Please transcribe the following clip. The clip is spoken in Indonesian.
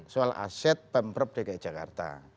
soal aset pemprov dki jakarta